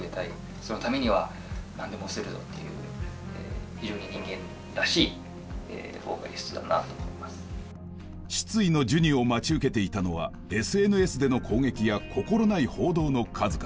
そのためには何でもするぞっていう失意のジュニを待ち受けていたのはＳＮＳでの攻撃や心ない報道の数々。